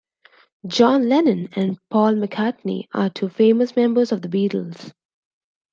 John Lennon and Paul McCartney are two famous members of the Beatles.